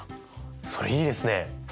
それいいですね！